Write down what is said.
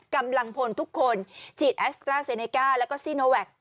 กำลังพลทุกคนฉีดแอสตราเซเนก้าแล้วก็ซีโนแวค